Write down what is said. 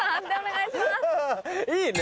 いいね。